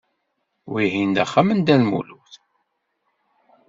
Wihin d axxam n Dda Lmulud.